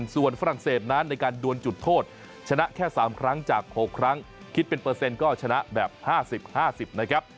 ส่วนฝรั่งเศสนั้นในการดวนจุดโทษชนะแค่๓ครั้งจาก๖ครั้งคิดเป็นเปอร์เซ็นต์ก็ชนะแบบ๕๐๕๐นะครับ